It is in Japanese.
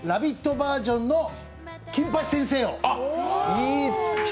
バージョンの「金八先生」を。